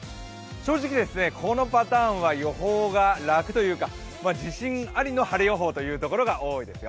正直、このパターンは予報が楽というか自信ありの晴れ予報というところが多いですよ。